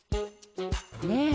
ねえ。